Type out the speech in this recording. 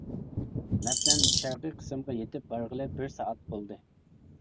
مەسىلەن: شەرقىي قىسىمغا يېتىپ بارغىلى بىر سائەت بولدى.